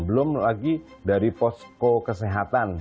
belum lagi dari posko kesehatan